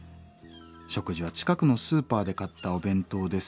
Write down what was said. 「食事は近くのスーパーで買ったお弁当です。